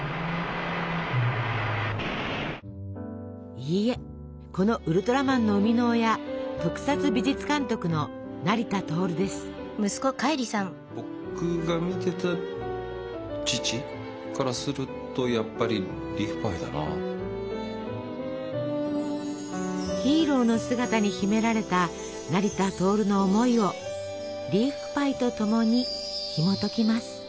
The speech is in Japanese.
いいえこのウルトラマンの生みの親特撮美術監督の僕が見てた父からするとヒーローの姿に秘められた成田亨の思いをリーフパイとともにひもときます。